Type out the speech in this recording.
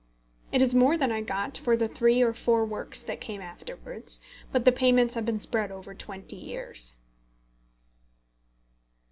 It is more than I got for the three or four works that came afterwards, but the payments have been spread over twenty years.